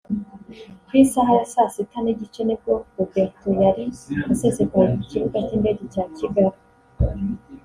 Ku isaha ya saa sita n’igice nibwo Roberto yari asesekaye ku kibuga cy’indege cya Kigali